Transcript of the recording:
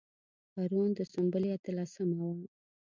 پرون د سنبلې اتلسمه وه.